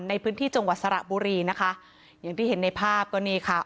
ในพื้นที่จังหวัดสระบุรีนะคะอย่างที่เห็นในภาพก็นี่ค่ะ